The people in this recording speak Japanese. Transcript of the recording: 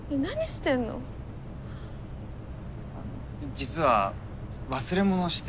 実は忘れ物をして。